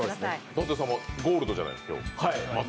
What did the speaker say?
舘様ゴールドじゃないですか今日、また。